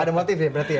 ada motif ya berarti ya